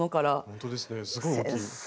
ほんとですねすごい大きい。